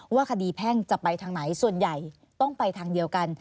ว่าคดีแพ่งจะไปทางไหนส่วนใหญ่ต้องไปทางเดียวกัน